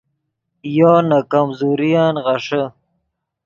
یو نے کمزورین غیݰے